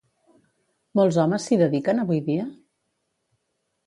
Molts homes s'hi dediquen avui dia?